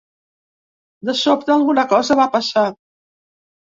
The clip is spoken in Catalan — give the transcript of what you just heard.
De sobte, alguna cosa va passar.